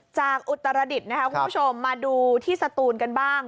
อุตรดิษฐ์นะคะคุณผู้ชมมาดูที่สตูนกันบ้าง